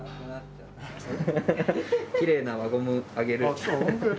きれいな輪ゴムあげる。